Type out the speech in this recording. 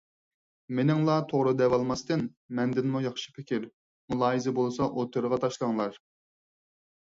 مېنىڭلا توغرا دەۋالماستىن، مەندىنمۇ ياخشى پىكىر، مۇلاھىزە بولسا ئوتتۇرىغا تاشلاڭلار.